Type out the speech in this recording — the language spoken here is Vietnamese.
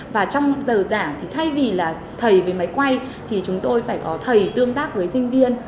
và trong giờ giảng thì thay vì là thầy với máy quay thì chúng tôi phải có thầy tương tác với sinh viên